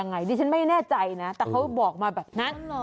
ดิฉันไม่แน่ใจนะแต่เขาบอกมาแบบนั้น